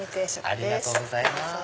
ありがとうございます。